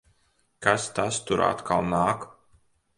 Kas tas tur atkal nāk?